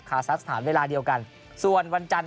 ซัสสถานเวลาเดียวกันส่วนวันจันทร์